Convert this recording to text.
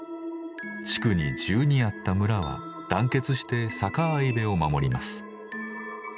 地区に１２あった村は団結して阪合部を守ります。